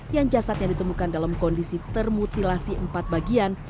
yang jasadnya ditemukan dalam kondisi termutilasi empat bagian